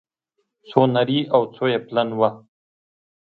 څو نري او څو يې پلن وه